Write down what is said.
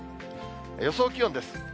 予想気温です。